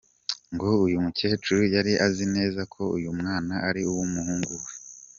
Ngo uyu mukecuru yari azi neza ko uyu mwana ari uw’umuhungu we.